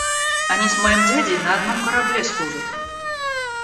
– Они с моим дядей на одном корабле служат.